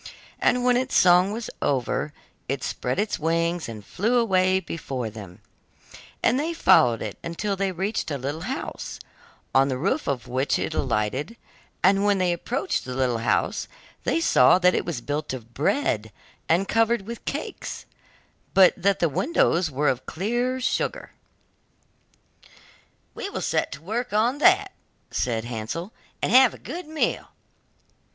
And when its song was over, it spread its wings and flew away before them, and they followed it until they reached a little house, on the roof of which it alighted; and when they approached the little house they saw that it was built of bread and covered with cakes, but that the windows were of clear sugar. 'We will set to work on that,' said Hansel, 'and have a good meal.